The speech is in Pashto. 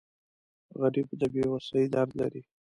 غریب د بې وسۍ درد لري